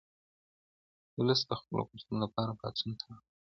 ولس د خپلو غوښتنو لپاره پاڅون ته اړ دی.